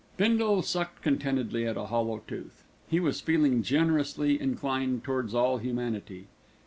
Bindle sucked contentedly at a hollow tooth. He was feeling generously inclined towards all humanity.